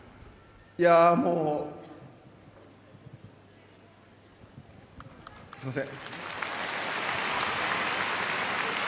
いや、もう、すいません。